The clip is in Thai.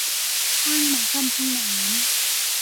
ช่างมาซ่อมห้องน้ำ